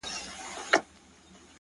• دغه ياغي خـلـگـو بــه منـلاى نـــه،